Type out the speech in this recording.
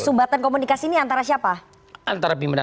sumbatan komunikasi ini antara siapa